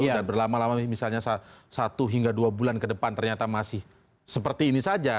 dan berlama lama misalnya satu hingga dua bulan ke depan ternyata masih seperti ini saja